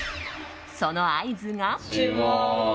その合図が。